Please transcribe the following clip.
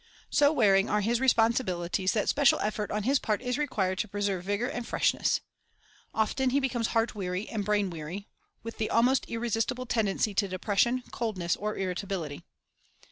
So wearing are his responsibilities that special effort on his part is required to preserve vigor and freshness. Often he becomes heart weary and brain weary, with the almost irresistible tendency to depression, coldness, or irritability.